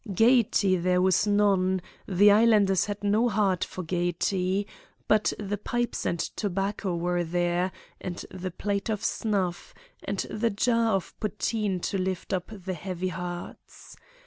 Gaiety there was none: the Islanders had no heart for gaiety: but the pipes and tobacco were there, and the plate of snuff, and the jar of poteen to lift up the heavy hearts.